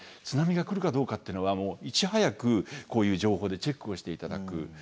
津波が来るかどうかっていうのはいち早くこういう情報でチェックをして頂く。